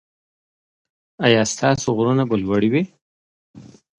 ایا ستاسو غرونه به لوړ وي؟